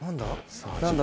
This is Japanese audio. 何だ？